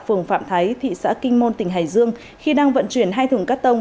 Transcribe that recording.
phường phạm thái thị xã kinh môn tỉnh hải dương khi đang vận chuyển hai thùng cắt tông